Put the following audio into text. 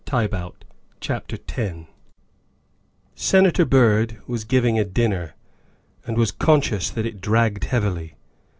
98 THE WIFE OF X SENATOR BYRD was giving a dinner and was conscious that it dragged heavily.